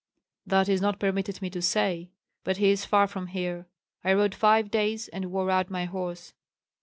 "That is not permitted me to say. But he is far from here; I rode five days, and wore out my horse."